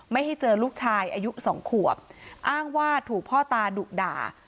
ไม่ให้เจอลูกชายอายุสองขวบอ้างว่าถูกพ่อตาดุด่า